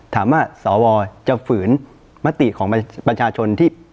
ถามว่าสวจะฝืนมติของประชาชนที่